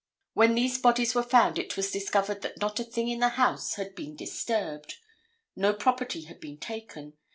When these bodies were found it was discovered that not a thing in the house had been disturbed. No property had been taken.